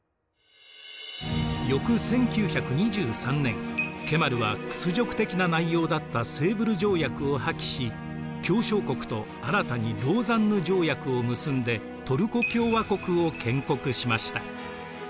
翌１９２３年ケマルは屈辱的な内容だったセーヴル条約を破棄し協商国と新たにローザンヌ条約を結んでトルコ共和国を建国しました。